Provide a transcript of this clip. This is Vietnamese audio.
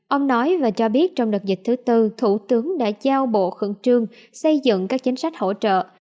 ông nói và cho biết trong đợt dịch thứ tư thủ tướng đã giao bộ khẩn trương xây dựng các chính sách hỗ trợ